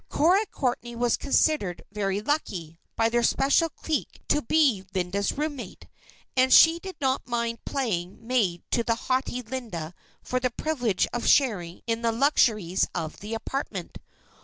Cora Courtney was considered very lucky by their special clique to be Linda's roommate, and she did not mind playing maid to the haughty Linda for the privilege of sharing in the luxuries of the apartment.